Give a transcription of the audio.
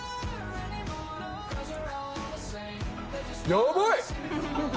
やばい！